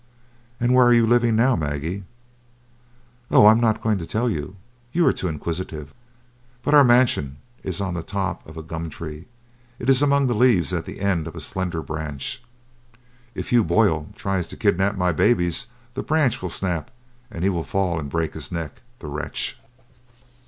"And where are you living now, Maggie?" "Oh, I am not going to tell you; you are too inquisitive. But our mansion is on the top of a gum tree. It is among the leaves at the end of a slender branch. If Hugh Boyle tries to kidnap my babies, the branch will snap, and he will fall and break his neck, the wretch.